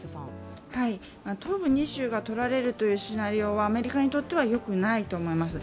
東部２州がとられるというシナリオにはアメリカにとってはよくないと思います。